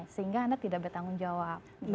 sehingga anda tidak bertanggung jawab